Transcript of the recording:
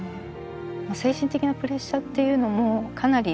精神的なプレッシャーっていうのもかなり。